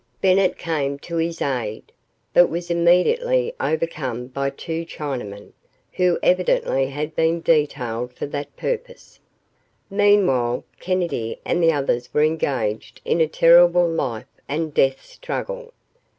Bennett came to his aid, but was immediately overcome by two Chinamen, who evidently had been detailed for that purpose. Meanwhile, Kennedy and the others were engaged in a terrible life and death struggle.